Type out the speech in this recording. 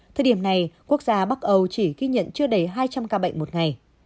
thời điểm này quốc gia bắc âu chỉ ghi nhận chưa đầy hai trăm linh ca bệnh một ngày